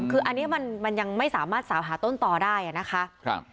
คืออันนี้มันยังไม่สามารถสาวหาต้นต่อได้นะคะ